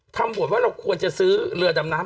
ทำโบสถ์ว่าเราควรจะซื้อเรือนดำน้ำ